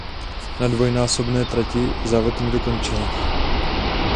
Na dvojnásobné trati závod nedokončila.